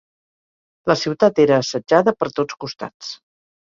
La ciutat era assetjada per tots costats.